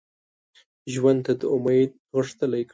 ژوند ته امید غښتلی کړي